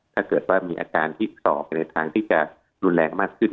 ถ้าเกิดว่ามีอาการที่ศอกในทางที่จะรุนแรงมากขึ้น